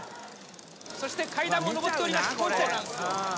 「そして階段も上っております」